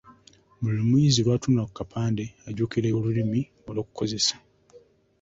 Buli muyizi lw’atunula ku kapande ajjukira Olulimi olw’okukozesa.